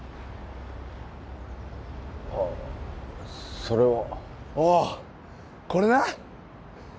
ああそれはおうこれな！